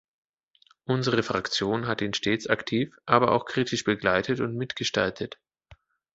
Unsere Fraktion hat ihn stets aktiv, aber auch kritisch begleitet und mitgestaltet.